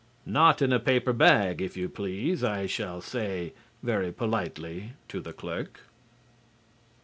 "Not in a paper bag, if you please," I shall say very politely to the clerk.